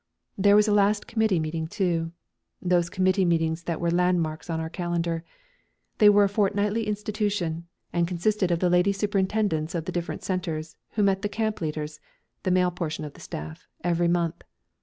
There was a last committee meeting too; those committee meetings that were landmarks on our calendar. They were a fortnightly institution, and consisted of the lady superintendents of the different centres, who met the camp leaders the male portion of the staff every month.